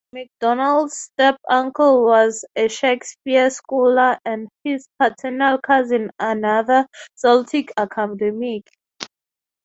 MacDonald's step-uncle was a Shakespeare scholar, and his paternal cousin another Celtic academic.